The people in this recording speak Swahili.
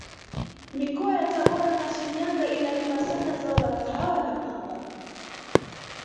mikoa ya tabora na shinyanga inalima sana zao la kahawa na pamba